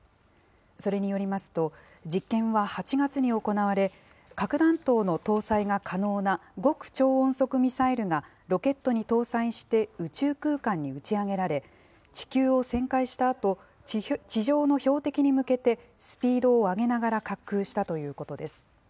それによりますと、実験は８月に行われ、核弾頭の搭載が可能な極超音速ミサイルがロケットに搭載して宇宙空間に打ち上げられ、地球を旋回したあと、地上の標的に向けて、スピードを上げながら滑空したということです。